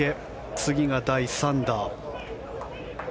次が第３打。